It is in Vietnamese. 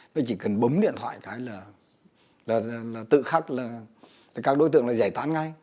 nó chỉ cần bấm điện thoại là tự khắc các đối tượng phải giải tán ngay